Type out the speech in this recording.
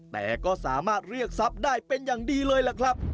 แต่ก็สามารถเรียกทรัพย์ได้เป็นอย่างดีเลยล่ะครับ